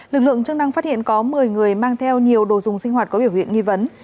lực lượng chức năng phát hiện có một mươi người mang theo nhiều đồ dùng sinh hoạt có biểu hiện nghi vấn